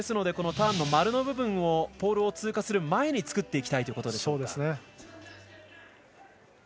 ターンの丸の部分をポールを通過する前に作っていきたいということですね。